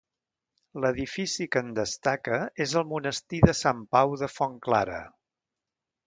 L'edifici que en destaca és el monestir de Sant Pau de Fontclara.